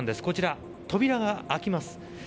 こちら、扉は開きます。